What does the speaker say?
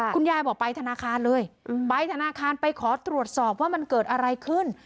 คุณยายบอกไปธนาคารเลยไปธนาคารไปขอตรวจสอบว่ามันเกิดอะไรขึ้น